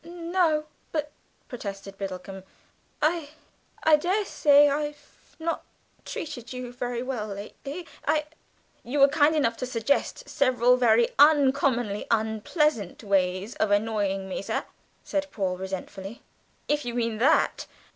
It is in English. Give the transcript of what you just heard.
"No, but," protested Biddlecomb, "I, I daresay I've not treated you very well lately, I " "You were kind enough to suggest several very uncommonly unpleasant ways of annoying me, sir," said Paul resentfully, "if you mean that.